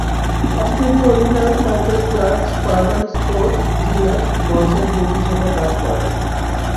অস্ট্রেলীয় অধিনায়ক Michael Clarke Spartan Sports, Gillette, বন্ডসের দূত হিসেবে কাজ করেন।